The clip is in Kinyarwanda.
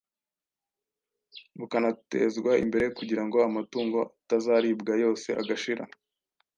bukanatezwa imbere kugira ngo amatungo atazaribwa yose agashira.